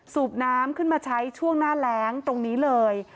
สูบน้ำขึ้นมาใช้ช่วงหน้าแรงตรงนี้เลย